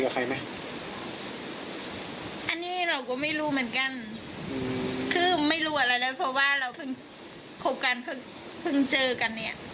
คือไม่รู้อะไรเลยเพราะว่าเราเพิ่งคบกันเพิ่งเจอกันเนี่ย